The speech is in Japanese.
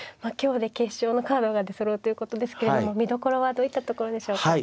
今日で決勝のカードが出そろうということですけれども見どころはどういったところでしょうか。